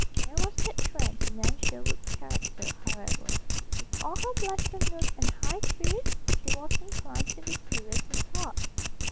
There was that trend to Nan Sherwood's character, however. With all her blithesomeness and high spirits she was inclined to be serious in thought.